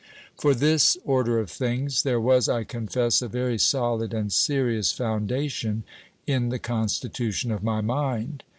For this order of things, there was, I confess, a very solid and serious foundation, in the constitution of my mind.